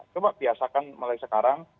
coba biasakan mulai sekarang